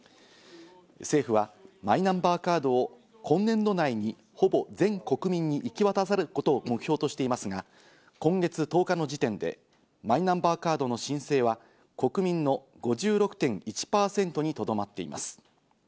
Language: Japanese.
政府はマイナンバーカードを今年度内にほぼ全国民に行き渡らせることを目標としていますが、今月１０日の時点でマイナンバーカードの申請は国民の５６．１％にとどまっています。